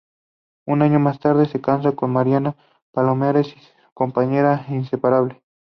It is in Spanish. Un año más tarde, se casa con Mariana Palomares, su compañera inseparable.